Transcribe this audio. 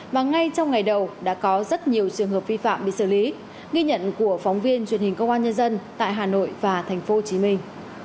mà ngay trong ngày đầu đã có rất nhiều trường hợp vi phạm bị xử lý ghi nhận của phóng viên truyền hình công an nhân dân tại hà nội và thành phố hồ chí minh